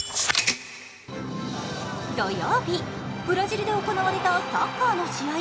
土曜日、ブラジルで行われたサッカーの試合。